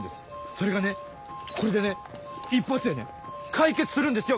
それがねこれでね一発でね解決するんですよ。